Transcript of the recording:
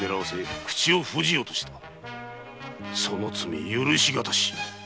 その罪許し難し。